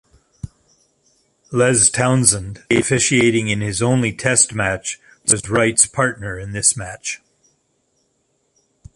Les Townsend, officiating in his only Test match, was Wright's partner in this match.